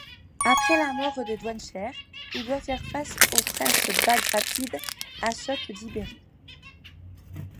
Après la mort de Djouansher, il doit faire face au prince bagratide Achot d'Ibérie.